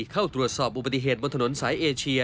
เข้าตรวจสอบอุบัติเหตุบนถนนสายเอเชีย